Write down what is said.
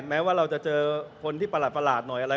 แม้ว่าเราจะเจอคนที่ประหลาดหน่อยอะไร